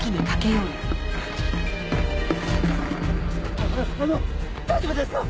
あああの大丈夫ですか？